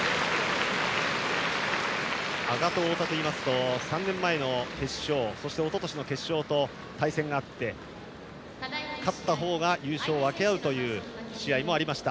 羽賀と太田といいますと３年前の決勝そして、おととしの決勝と対戦があって勝った方が優勝を分け合うという試合もありました。